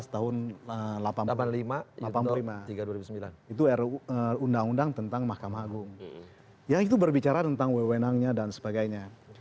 tapi nanti dijawabnya